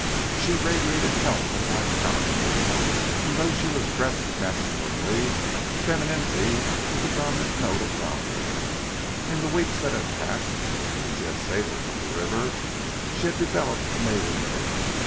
She radiated health and vitality, and though she was dressed masculinely, femininity was the dominant note about her. In the weeks that had passed since he had saved her from the river she had developed amazingly.